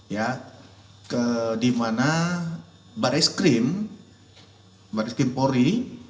ya di mana baris krim baris krimpori